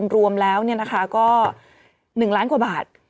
รวมแล้วก็๑ล้านกว่าบาท